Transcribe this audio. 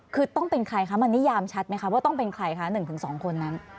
คือต้องเป็นใครคะมันนิยามชัดไหมคะว่าต้องเป็นใครคะ๑๒คนนั้น